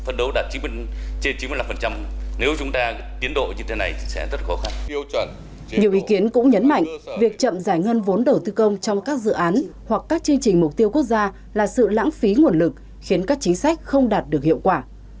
nhiều ý kiến cũng nhấn mạnh việc chậm giải ngân vốn đầu tư công trong các dự án hoặc các chương trình mục tiêu quốc gia là sự lãng phí nguồn lực khiến các chính sách không đạt được hiệu quả